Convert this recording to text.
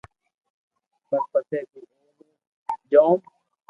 پر پسي بي اورو جو جوم